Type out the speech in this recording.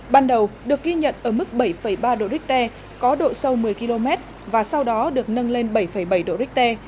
ban đầu được ghi nhận ở mức bảy ba độ richter có độ sâu một mươi km và sau đó được nâng lên bảy bảy độ richter